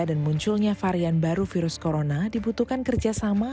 dan munculnya varian baru virus corona dibutuhkan kerjasama